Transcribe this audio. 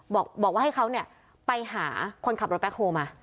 บอกว่าให้เขาเนี่ยไปหาคนขับรถแบ็คโฮลมา